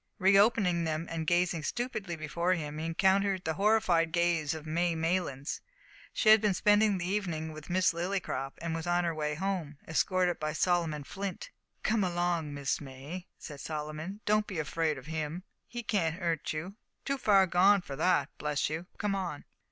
Re opening them, and gazing stupidly before him, he encountered the horrified gaze of May Maylands! She had been spending the evening with Miss Lillycrop, and was on her way home, escorted by Solomon Flint. "Come along, Miss May," said Solomon, "don't be afraid of 'im. He can't 'urt you too far gone for that, bless you. Come on."